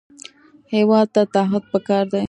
هېواد ته تعهد پکار دی